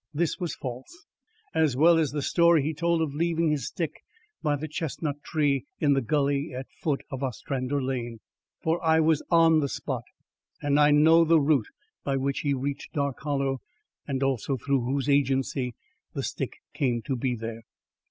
This was false, as well as the story he told of leaving his stick by the chestnut tree in the gully at foot of Ostrander Lane. For I was on the spot, and I know the route by which he reached Dark Hollow and also through whose agency the stick came to be there.